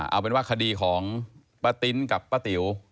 เอาเป็นว่าคดีของป้าติ๊นกับป้าติ๋ว